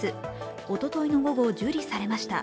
おとといの午後、受理されました。